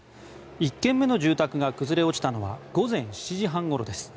１軒目の住宅が崩れ落ちたのは午前７時半ごろです。